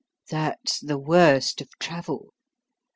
That's the worst of travel.